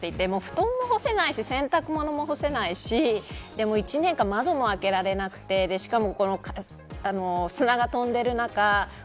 非常に、これは困る問題だなと思っていて布団も干せないし洗濯物も干せないしでも１年間窓も開けられなくてしかも砂が飛んでいる